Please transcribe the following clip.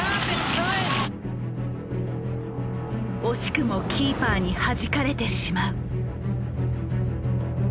惜しくもキーパーにはじかれてしまう。